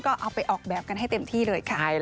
ก็เอาไปออกแบบกันให้เต็มที่เลยค่ะ